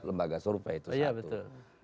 lembaga survei itu satu